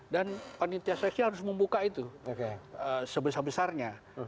dan pak nyitya seleksi harus membuka itu sebesar besarnya